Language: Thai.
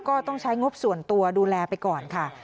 ก็ต้องใช้งบส่วนตัวดูแลไปก่อนค่ะ